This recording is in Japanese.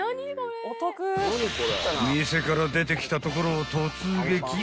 ［店から出てきたところを］